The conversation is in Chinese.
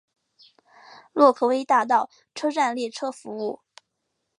洛克威大道车站列车服务。